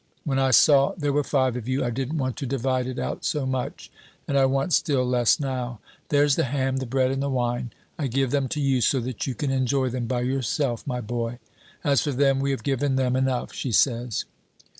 when I saw there were five of you, I didn't want to divide it out so much, and I want still less now. There's the ham, the bread, and the wine. I give them to you so that you can enjoy them by yourself, my boy. As for them, we have given them enough,' she says.